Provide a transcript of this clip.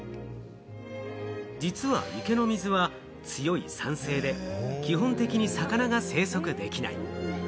実は池の水は強い酸性で、基本的に魚が生息できない。